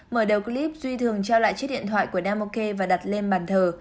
mở đầu clip duy thường trao lại chiếc điện thoại của nam ok và đặt lên bàn thờ